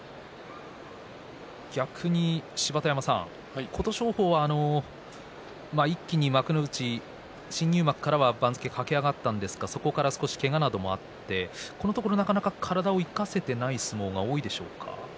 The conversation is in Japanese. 逆に芝田山さん、琴勝峰は一気に幕内、新入幕から番付を駆け上がったんですがそこから少し、けがなどもあってこのところ体を生かせていない相撲が多いでしょうか。